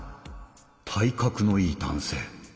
体格のいい男性。